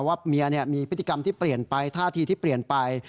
ว่าเมียมีพฤติกรรมที่เปลี่ยนไปท่าทีที่เปลี่ยนไป